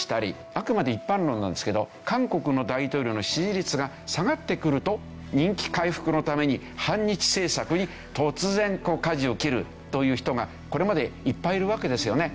あくまで一般論なんですけど韓国の大統領の支持率が下がってくると人気回復のために反日政策に突然舵を切るという人がこれまでいっぱいいるわけですよね。